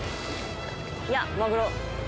いやマグロ。